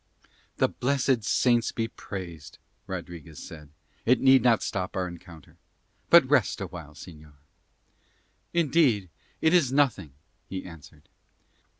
"The blessed Saints be praised," Rodriguez said. "It need not stop our encounter. But rest awhile, señor." "Indeed, it is nothing," he answered.